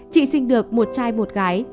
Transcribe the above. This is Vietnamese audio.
chị sinh được một trai một gái